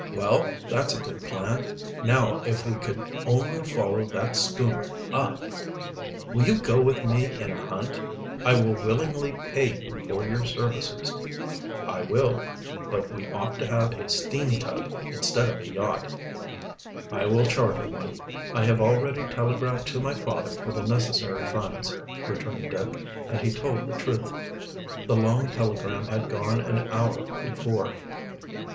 "Well, that's a good plan. Now if we could only follow that schooner up " "Will you go with me in a hunt? I will willingly pay you for your services." "I will. But we ought to have a steam tug instead of a yacht." "I will charter one. I have already telegraphed to my father for the necessary funds," returned Dick, and he told the truth. The long telegram had gone an hour before.